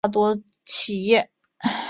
适用于大多企业。